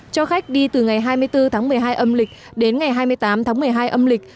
cho khách đi từ ngày hai mươi bốn tháng một mươi hai âm lịch đến ngày hai mươi tám tháng một mươi hai âm lịch